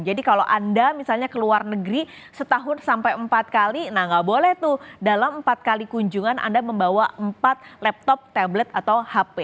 jadi kalau anda misalnya keluar negeri setahun sampai empat kali nah nggak boleh tuh dalam empat kali kunjungan anda membawa empat laptop tablet atau hp